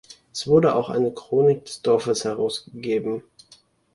Es wurde auch eine Chronik des Dorfes herausgegeben.